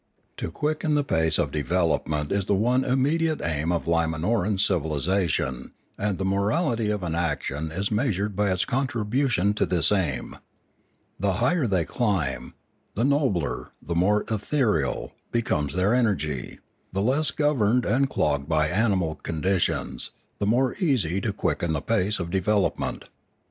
To quicken the 622 Limanora pace of development is the one immediate aim of Lim anoran civilisation, and the morality of an action is measured by its contribution to this aim. The higher they climb, the nobler, the more ethereal, becomes their energy; the less governed and clogged by animal con ditions, the more easy to quicken the pace of develop ment.